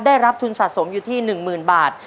ได้รับทุนสะสมอยู่ที่๑๐๐๐บาท